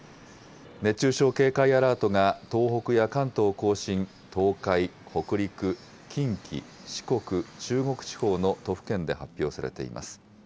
熱中症警戒アラートが東北や関東甲信、東海、北陸、近畿、四国、中国地方の都府県で発表されています。